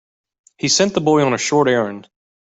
He sent the boy on a short errand.